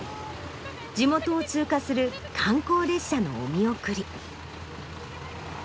地元を通過する観光列車のお見送り。